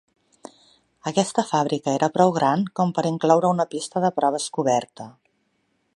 Aquesta fàbrica era prou gran com per incloure una pista de proves coberta.